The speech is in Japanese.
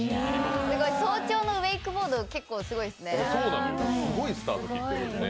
早朝のウェイクボードすごいですね。